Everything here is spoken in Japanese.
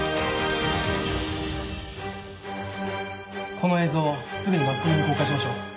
この映像すぐにマスコミに公開しましょう。